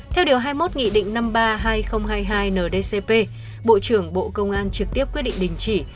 theo điều hai mươi một nghị định năm mươi ba hai nghìn hai mươi hai ndcp bộ trưởng bộ công an trực tiếp quyết định đình chỉ